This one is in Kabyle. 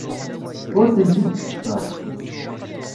Ur tent-id-keccfeɣ.